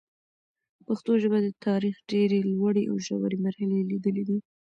پښتو ژبه د تاریخ ډېري لوړي او ژوري مرحلې لیدلي دي.